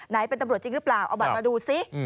ไหนเป็นตำรวจจริงหรือเปล่าเอาบัตรมาดูซิ